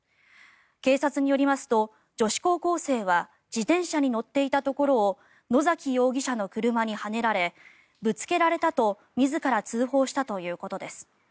警察によりますと女子高校生は自転車に乗っていたところを野嵜容疑者の車にはねられぶつけられたと自ら通報したということです。